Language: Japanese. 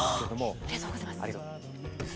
おめでとうございます。